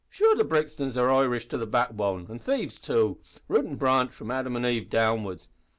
"Sure the Brixtons are Irish to the backbone an' thieves too root an' branch from Adam an' Eve downwards.